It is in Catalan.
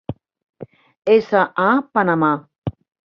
S. A., Panamà.